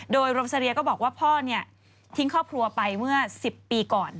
โดยโรมซาเรียก็บอกว่าพ่อทิ้งครอบครัวไปเมื่อ๑๐ปีก่อน